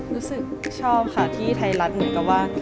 รู้สึกชอบค่ะที่ไทยรัฐเหมือนกับว่า